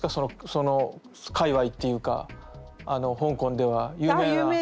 その界わいっていうかあの香港では有名な。